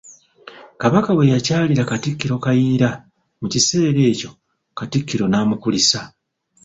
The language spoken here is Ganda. Kabaka bwe yakyalira Katikkiro Kayiira, mu kiseera ekyo, Katikkiro n'amukulisa.